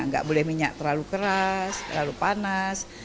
nggak boleh minyak terlalu keras terlalu panas